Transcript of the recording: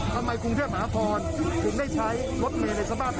ทำไมกรุงเที่ยวหมาพรถึงได้ใช้รถเมล็ดในสบายแบบนี้